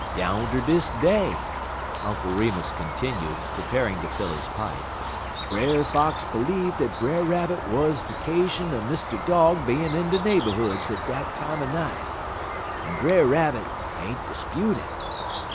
Down ter dis day," Uncle Remus continued, preparing to fill his pipe, "Brer Fox b'leeve dat Brer Rabbit wuz de 'casion er Mr. Dog bein' in de neighborhoods at dat time er night, en Brer Rabbit ain't 'spute it.